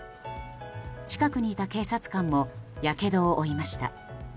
近くにいた警察官もやけどを負いました。